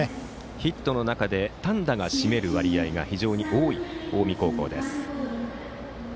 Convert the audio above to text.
ヒットの中で単打が占める割合が非常に多い近江高校です。